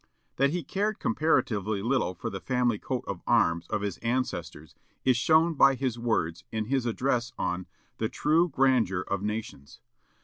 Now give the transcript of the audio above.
That he cared comparatively little for the family coat of arms of his ancestors is shown by his words in his address on "The True Grandeur of Nations."